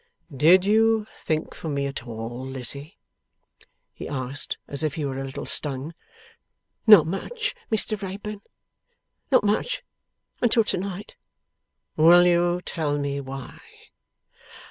'Did you think for me at all, Lizzie?' he asked, as if he were a little stung. 'Not much, Mr Wrayburn. Not much until to night.' 'Will you tell me why?